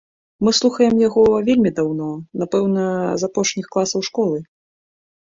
Мы слухаем яго вельмі даўно, напэўна, з апошніх класаў школы.